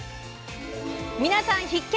皆さん必見！